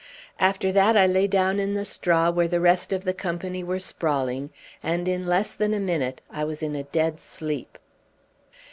After that I lay down in the straw where the rest of the company were sprawling, and in less than a minute I was in a dead sleep.